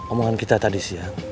omongan kita tadi